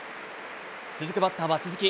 続くバッターは鈴木。